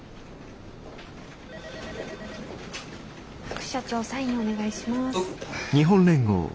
副社長サインお願いします。